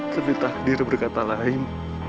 tapi takdir berkata lain